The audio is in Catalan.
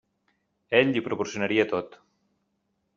Ell li ho proporcionaria tot.